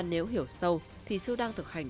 nếu hiểu sâu thì sư đang thực hành